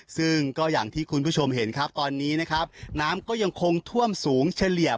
ซึ่งก็อย่างที่คุณผู้ชมเห็นครับตอนนี้นะครับน้ำก็ยังคงท่วมสูงเฉลี่ย